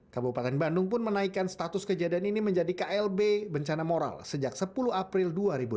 kabupaten bandung pun menaikkan status kejadian ini menjadi klb bencana moral sejak sepuluh april dua ribu delapan belas